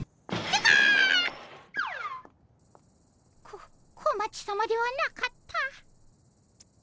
こ小町さまではなかった。